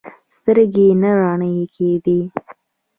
سترګې نه رڼې کېدې.